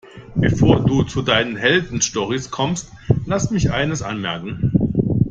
Bevor du zu deinen Heldenstorys kommst, lass mich eines anmerken.